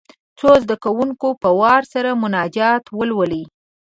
څو زده کوونکي په وار سره مناجات ولولي.